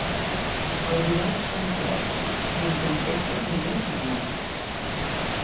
Els hiverns són freds i amb tempestes de neu i glaç.